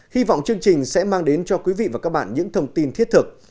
hy vọng chương trình sẽ mang đến cho quý vị và các bạn những thông tin thiết thực